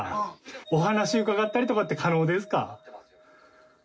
お話伺ったりとかって可能ですか？